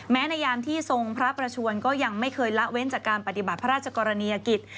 ในยามที่ทรงพระประชวนก็ยังไม่เคยละเว้นจากการปฏิบัติพระราชกรณียกิจ